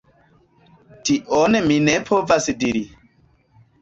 Tion mi ne povas diri.